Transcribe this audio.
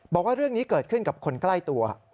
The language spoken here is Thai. บอกว่าเรื่องนี้เกิดขึ้นกับคนใกล้ตัว